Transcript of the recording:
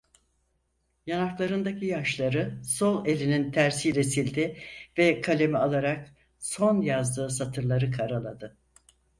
Yanaklarındaki yaşları sol elinin tersiyle sildi ve kalemi alarak son yazdığı satırları karaladı.